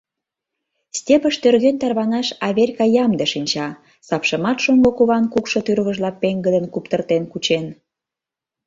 Степьыш тӧрген тарванаш Аверька ямде шинча, сапшымат шоҥго куван кукшо тӱрвыжла пеҥгыдын куптыртен кучен!